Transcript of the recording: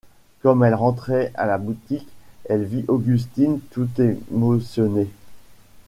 Comme elle rentrait à la boutique, elle vit Augustine tout émotionnée.